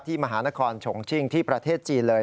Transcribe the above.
มหานครชงชิ่งที่ประเทศจีนเลย